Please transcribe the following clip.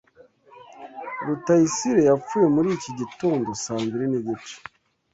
Rutayisire yapfuye muri iki gitondo saa mbiri nigice.